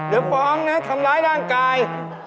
เดี๋ยวฟ้องนะทำร้ายร่างกาย